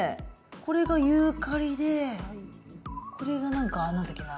これがユーカリでこれが何だっけな？